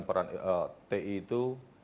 peran ti itu